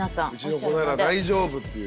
うちの子なら大丈夫っていう。